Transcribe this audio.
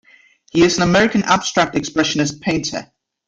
He is an American Abstract Expressionist painter.